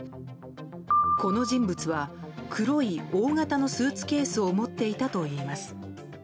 この人物は黒い大型のスーツケースを持っていたといいます。